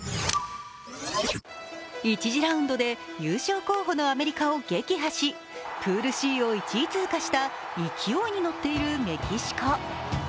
１次ラウンドで優勝候補のアメリカを撃破し、プールＣを１位通過した勢いに乗っているメキシコ。